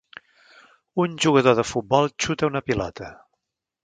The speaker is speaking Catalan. Un jugador de futbol xuta una pilota.